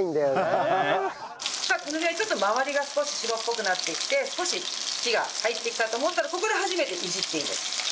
さあこのぐらい周りが少し白っぽくなってきて少し火が入ってきたと思ったらここで初めていじっていいです。